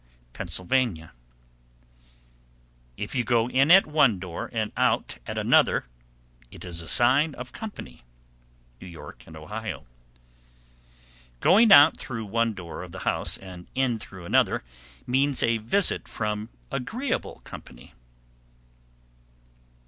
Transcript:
Pennsylvania. 750. If you go in at one door and out at another, it is a sign of company. New York and Ohio. 751. Going out through one door of the house and in through another means a visit from agreeable company.